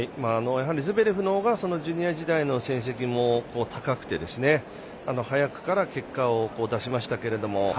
ズベレフの方がジュニア時代の成績も高くて早くから結果を出しましたけれども。